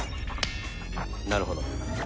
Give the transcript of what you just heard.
なるほど。